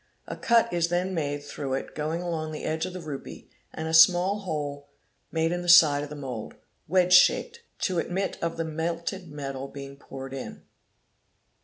A cut is then made through it going along the edge of the rupee and a small hole made in the : side of the mould, wedge shaped, to admit of the melted metal being poured in.